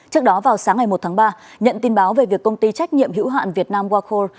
trước đó vào sáng ngày một tháng ba nhận tin báo về việc công ty trách nhiệm hữu hạn việt nam wacore